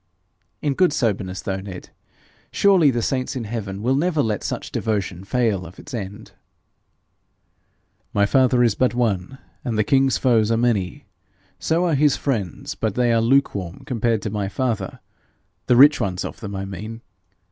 'In good soberness, though, Ned, surely the saints in heaven will never let such devotion fail of its end.' 'My father is but one, and the king's foes are many. So are his friends but they are lukewarm compared to my father the rich ones of them, I mean.